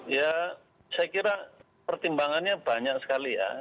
ya saya kira pertimbangannya banyak sekali ya